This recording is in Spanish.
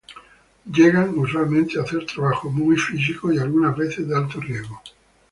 Llegan usualmente a hacer trabajos muy físicos y algunas veces de alto riesgo.